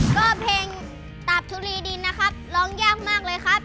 ก็เพลงตาบทุรีดินนะครับร้องยากมากเลยครับ